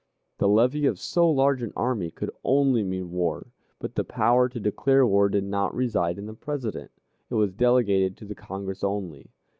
The levy of so large an army could only mean war; but the power to declare war did not reside in the President it was delegated to the Congress only.